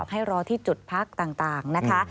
ให้รอที่จุดพักต่างนะคะ